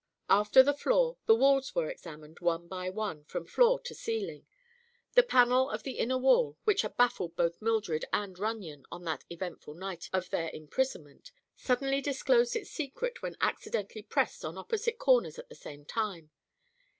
After the floor, the walls were examined, one by one, from floor to ceiling. The panel on the inner wall, which had baffled both Mildred and Runyon on that eventful night of their imprisonment, suddenly disclosed its secret when accidentally pressed on opposite corners at the same time.